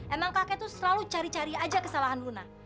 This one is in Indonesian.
emang kakek tuh selalu cari cari aja kesalahan luna